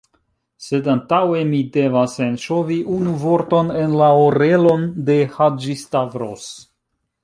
Sed antaŭe, mi devas enŝovi unu vorton en la orelon de Haĝi-Stavros.